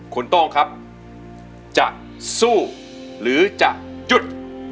คุณโต้งครับจะสู้หรือจะหยุด